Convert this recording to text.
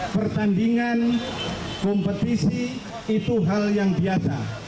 pertandingan kompetisi itu hal yang biasa